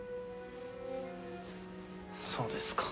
そうですか。